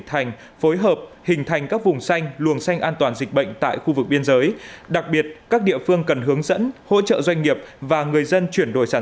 thành phối hợp hình thành các vùng xanh luồng xanh an toàn dịch bệnh tại khu vực biên giới